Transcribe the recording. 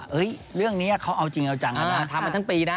เรื่องนี้เขาเอาจริงเอาจังนะทำมาทั้งปีนะ